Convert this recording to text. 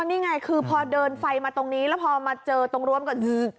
นี่ไงคือพอเดินไฟมาตรงนี้แล้วพอมาเจอตรงรวมก็คือ